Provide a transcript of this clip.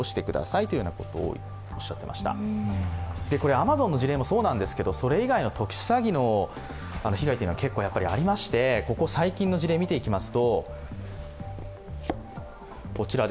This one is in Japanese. アマゾンの事例もそうなんですけどそれ以外の特殊詐欺の被害というのは結構ありまして、ここ最近の事例を見ていきます。